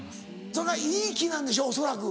それはいい木なんでしょ恐らく。